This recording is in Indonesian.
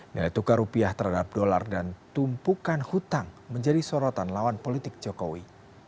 nilai tukar rupiah terhadap dolar dan tumpukan hutang menjadi sorotan lawan politik jokowi